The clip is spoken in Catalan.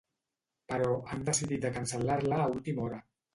Però han decidit de cancel·lar-la a última hora.